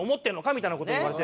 みたいな事を言われて。